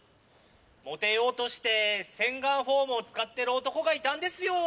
モテようとして洗顔フォームを使っている男がいたんですよ